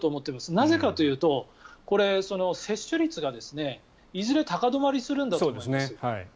なぜかというと接種率がいずれ高止まりするんだと思います。